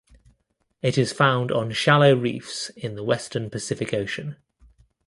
It is found on shallow reefs in the western Pacific Ocean.